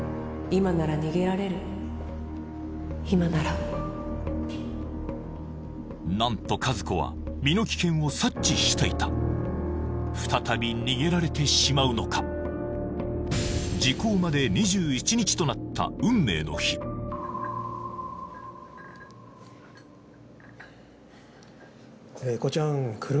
うん何と和子は身の危険を察知していた再び逃げられてしまうのか時効まで２１日となった運命の日あおなかすいた何と和子は来た！